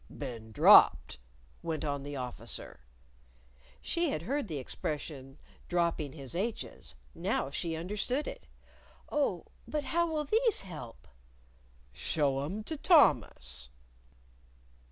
"Been dropped," went on the Officer. She had heard the expression "dropping his h's." Now she understood it. "Oh, but how'll these help?" "Show 'em to Thomas!"